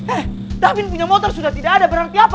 eh davin punya motor sudah tidak ada berarti apa